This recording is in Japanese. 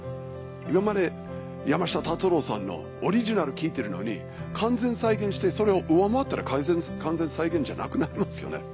今まで山下達郎さんのオリジナル聴いてるのに完全再現してそれを上回ったら完全再現じゃなくなりますよね。